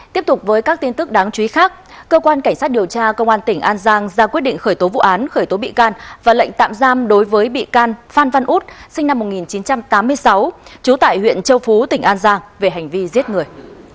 tiếp tục với các tin tức đáng chú ý khác cơ quan cảnh sát điều tra công an tỉnh an giang ra quyết định khởi tố vụ án khởi tố bị can và lệnh tạm giam đối với bị can phan văn út sinh năm một nghìn chín trăm tám mươi sáu trú tại huyện châu phú tỉnh an giang về hành vi giết người